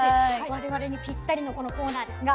我々にピッタリのこのコーナーですが。